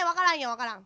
わからん。